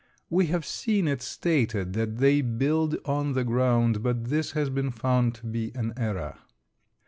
We have seen it stated that they build on the ground, but this has been found to be an error.